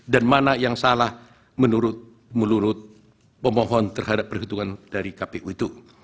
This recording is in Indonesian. dan mana yang salah menurut pemohon terhadap perhitungan dari kpu itu